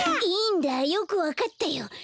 いいんだよくわかったよ。